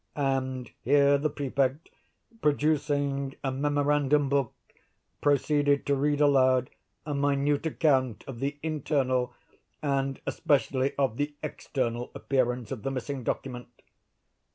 —And here the Prefect, producing a memorandum book, proceeded to read aloud a minute account of the internal, and especially of the external appearance of the missing document.